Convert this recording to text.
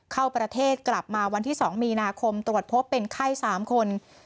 เข้าประเทศกลับมาวันที่๒มีนาคมตรวจพบเป็นไข้๓คน